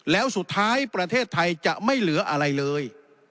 แล้วสุดท้ายประเทศไทยจะไม่เหลืออะไรเลย